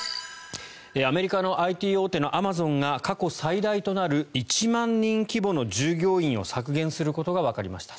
アメリカのＩＴ大手のアマゾンが過去最大となる１万人規模の従業員を削減することがわかりました。